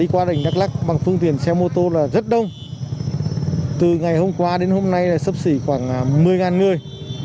qua đến hôm nay là sắp xỉ khoảng một mươi người